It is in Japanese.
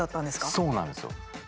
そうなんですよ。